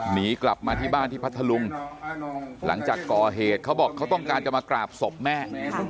หนีกลับมาที่บ้านที่พัทธลุงหลังจากก่อเหตุเขาบอกเขาต้องการจะมากราบศพแม่